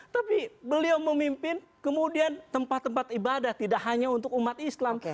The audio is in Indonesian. tapi beliau memimpin kemudian tempat tempat ibadah tidak hanya untuk umat islam